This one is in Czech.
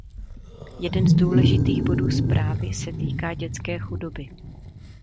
Jeden z důležitých bodů zprávy se týká dětské chudoby.